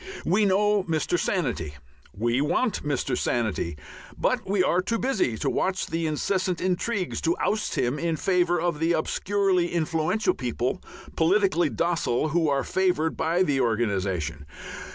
We know Mr. Sanity, we want Mr. Sanity, but we are too busy to watch the incessant intrigues to oust him in favour of the obscurely influential people, politically docile, who are favoured by the organization.